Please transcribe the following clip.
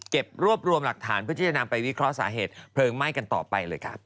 รวบรวมหลักฐานเพื่อที่จะนำไปวิเคราะห์สาเหตุเพลิงไหม้กันต่อไปเลยครับ